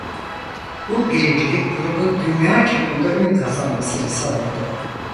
Bu birincilik grubun dünya çapında ün kazanmasını sağladı.